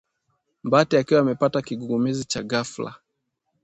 Mbati akiwa amepata kigugumizi cha ghafla